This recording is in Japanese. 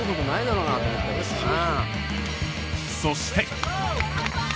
そして。